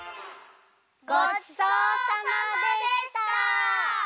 ごちそうさまでした！